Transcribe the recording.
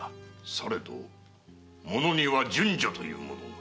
されどものには順序というものが。